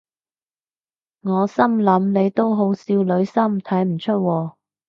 我心諗你都好少女心睇唔出喎